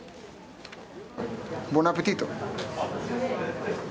ボナペティート。